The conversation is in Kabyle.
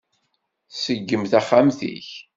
Ṣeggem taxxamt-ik!